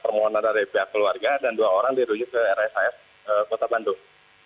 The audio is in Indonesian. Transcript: permohonan dari pihak keluarga dan dua orang dirujuk ke rshs kota bandung